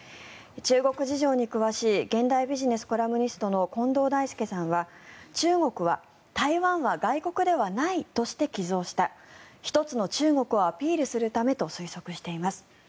中国事情に詳しい現代ビジネスコラムニストの近藤大介さんは中国は台湾は外国ではないとして寄贈した一つの中国をアピールするためと推測しています。